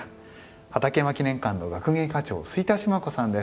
畠山記念館の学芸課長水田至摩子さんです。